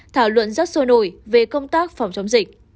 thảo luận rất sôi nổi về công tác phòng chống dịch